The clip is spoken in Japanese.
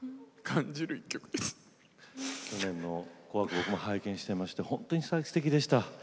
僕も拝見してまして本当にすてきでした。